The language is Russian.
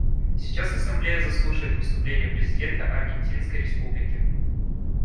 Сейчас Ассамблея заслушает выступление президента Аргентинской Республики.